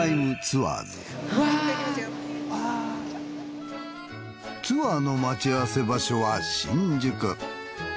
ツアーの待ち合わせ場所は新宿。